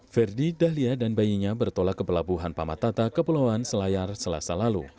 ferdi dahlia dan bayinya bertolak ke pelabuhan pamatata kepulauan selayar selasa lalu